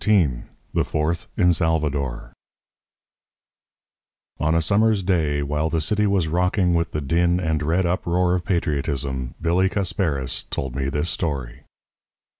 XIII THE FOURTH IN SALVADOR On a summer's day, while the city was rocking with the din and red uproar of patriotism, Billy Casparis told me this story.